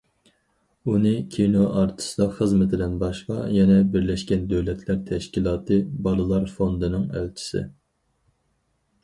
ئۇنى كىنو ئارتىسلىق خىزمىتىدىن باشقا، يەنە بىرلەشكەن دۆلەتلەر تەشكىلاتى بالىلار فوندىنىڭ ئەلچىسى.